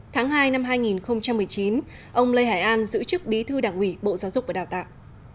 tháng hai năm hai nghìn một mươi chín ông lê hải an giữ chức bí thư đảng ủy bộ giáo dục và đào tạo